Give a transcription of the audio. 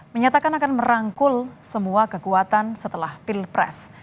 menyatakan akan merangkul semua kekuatan setelah pilpres